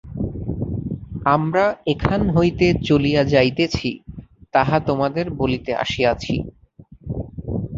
আমরা এখান হইতে চলিয়া যাইতেছি, তাহা তোমাদের বলিতে আসিয়াছি।